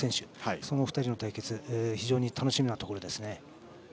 その２人の対決非常に楽しみなところですね。